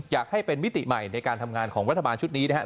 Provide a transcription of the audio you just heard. อยากให้เป็นมิติใหม่ในการทำงานของรัฐบาลชุดนี้นะครับ